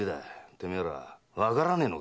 てめえらわからねえのかい。